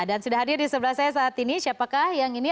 dan sudah hadir di sebelah saya saat ini siapakah yang ini